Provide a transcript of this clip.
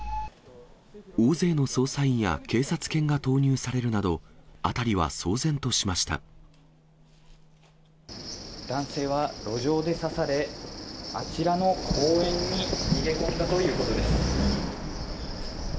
大勢の捜査員や警察犬が投入されるなど、男性は路上で刺され、あちらの公園に逃げ込んだということです。